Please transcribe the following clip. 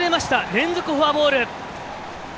連続フォアボール。